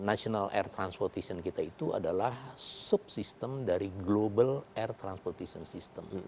nah national air transportation kita itu adalah sub sistem dari global air transportation system